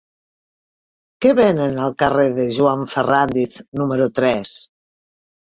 Què venen al carrer de Joan Ferrándiz número tres?